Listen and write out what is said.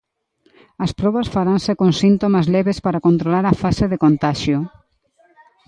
As probas faranse con síntomas leves para controlar a fase de contaxio.